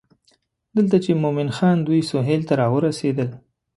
دلته چې مومن خان دوی سهیل ته راورسېدل.